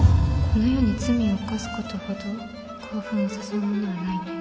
この世に罪を犯すことほど興奮を誘うものはないね